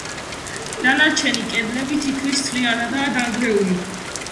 დანარჩენი კედლები თითქმის მთლიანადაა დანგრეული.